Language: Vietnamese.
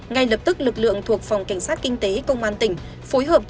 ngay lập tức lực lượng thuộc phòng cảnh sát kinh tế công an tỉnh